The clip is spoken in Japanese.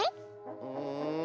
うん。